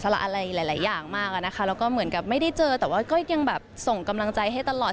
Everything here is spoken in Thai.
เราก็เหมือนกับไม่ได้เจอแต่ว่าก็ยังส่งกำลังใจให้ตลอด